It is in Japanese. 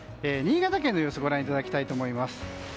新潟県の様子をご覧いただきたいと思います。